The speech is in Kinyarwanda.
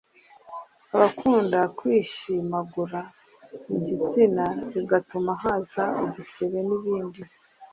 Abakunda kwishimagura mu gitsina bigatuma haza n’udusebe n’ibindi